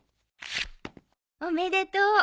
おめでとう。